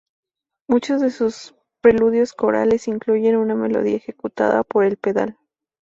Muchos de sus preludios corales incluyen una melodía ejecutada por el pedal.